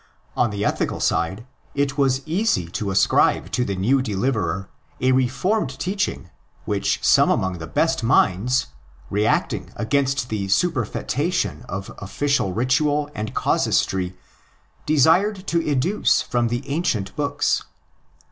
On the ethical side it was easy to ascribe to the new deliverer a reformed teaching which some among the best minds, reacting against the superfetation of official ritual and casuistry, desired to educe from the ancient books.